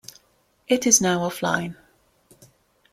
It is now offline.